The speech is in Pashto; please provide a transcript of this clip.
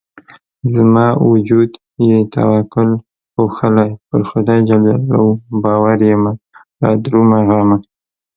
زما وجود يې توکل پوښلی پر خدای ج باور يمه رادرومه غمه